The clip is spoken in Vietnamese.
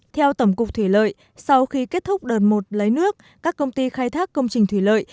theo tổng cục thủy lợi sau khi kết thúc đợt một lấy nước các công ty khai thác công trình thủy lợi